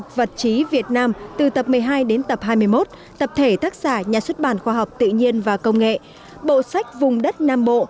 tạp chí việt nam từ tập một mươi hai đến tập hai mươi một tập thể tác giả nhà xuất bản khoa học tự nhiên và công nghệ bộ sách vùng đất nam bộ